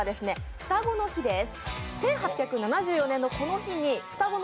双子の日です。